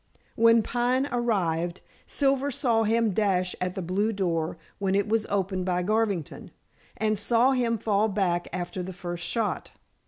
When Pine arrived, Silver saw him dash at the blue door when it was opened by Garvington, and saw him fall back after the first shot.